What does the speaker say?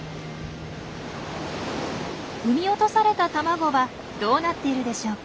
産み落とされた卵はどうなっているでしょうか？